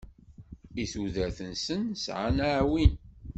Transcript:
I tudert-nsen sɛan aɛwin.